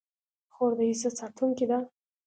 خور د عزت ساتونکې ده.